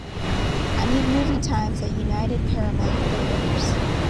I need movie times at United Paramount Theatres